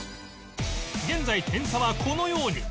現在点差はこのように